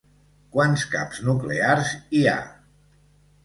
Quants caps nuclears hi ha?